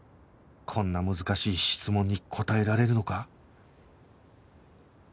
こんな難しい質問に答えられるのか？